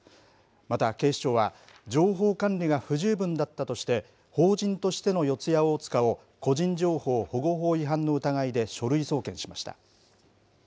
また警視庁は、情報管理が不十分だったとして、法人としての四谷大塚を個人情報保護法違反の疑いで書類送検しました。